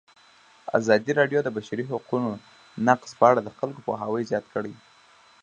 ازادي راډیو د د بشري حقونو نقض په اړه د خلکو پوهاوی زیات کړی.